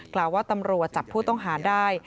กล่าวว่าตำรวจจับผู้ต้องหาได้